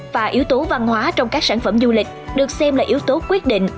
và yếu tố văn hóa trong các sản phẩm du lịch được xem là yếu tố quyết định